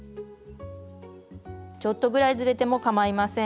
ちょっとぐらいずれてもかまいません。